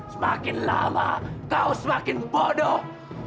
semakin lama kau semakin bodoh